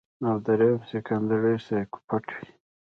او دريم سيکنډري سايکوپېت وي